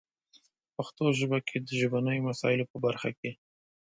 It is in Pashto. په پښتو ژبه کې د ژبنیو مسایلو په برخه کې